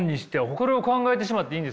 それを考えてしまっていいんですか？